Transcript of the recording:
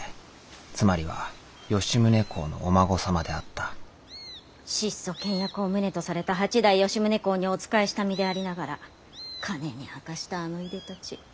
つまりは吉宗公のお孫様であった質素倹約を旨とされた八代吉宗公にお仕えした身でありながら金にあかしたあのいでたち。